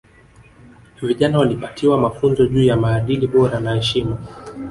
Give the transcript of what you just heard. Vijana waliwapatiwa mafunzo juu ya maadili bora na heshima